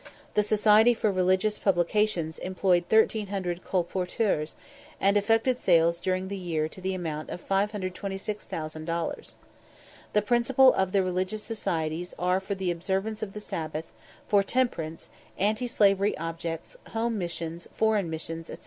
The Society for Religious Publications employed 1300 colporteurs, and effected sales during the year to the amount of 526,000 dollars. The principal of the religious societies are for the observance of the sabbath, for temperance, anti slavery objects, home missions, foreign missions, &c.